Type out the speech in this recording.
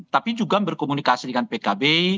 tapi juga berkomunikasi dengan pkb